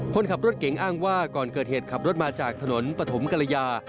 คนขับรถเก๋งอ้างว่าก่อนเกิดเหตุขับรถมาจากถนนปฐมกรยา